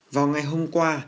vào ngày hôm qua